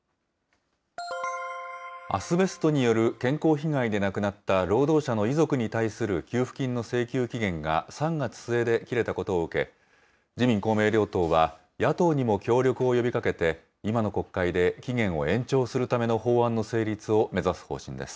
アスベストによる健康被害で亡くなった労働者の遺族に対する給付金の請求期限が３月末で切れたことを受け、自民、公明両党は、野党にも協力を呼びかけて、今の国会で期限を延長するための法案